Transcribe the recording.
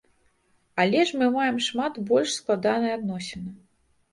Але ж мы маем шмат больш складаныя адносіны.